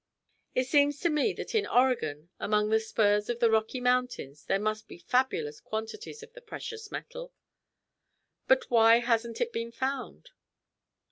"It seems to me that in Oregon, among the spurs of the Rocky Mountains, there must be fabulous quantities of the precious metal." "But why hasn't it been found?"